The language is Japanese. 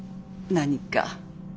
何か？